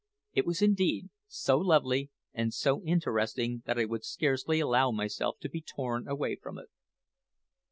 It was, indeed, so lovely and so interesting that I would scarcely allow myself to be torn away from it.